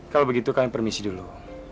kalau begitu kami permisi dulu